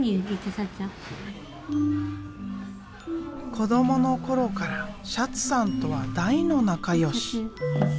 子どもの頃からシャツさんとは大の仲良し。